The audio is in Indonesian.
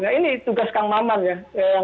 nah ini tugas kang maman ya